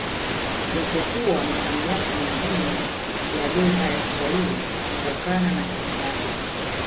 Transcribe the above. Japo kuwa misamiti mingine ya lugha ya kiswahili hutokana na kiarabu